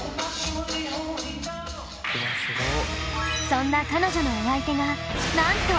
そんな彼女のお相手がなんと！